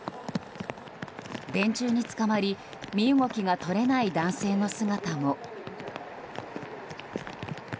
電柱につかまり身動きが取れない男性の姿も。